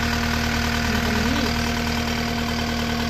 Neḍmen-itt.